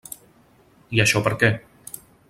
I això, per què?